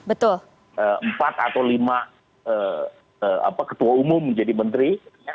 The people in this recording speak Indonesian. betul empat atau lima ketua umum menjadi menteri